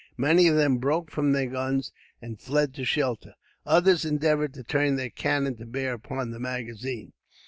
Many of them broke from their guns and fled to shelter, others endeavoured to turn their cannon to bear upon the magazine.